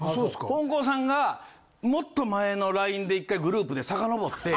ほんこんさんがもっと前のＬＩＮＥで１回グループでさかのぼって。